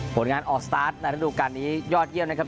ผลงานหน้าธ้าเณตรุกาดนี้ยอดเยี่ยมนะครับ